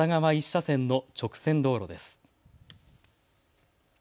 １車線の直線道路です。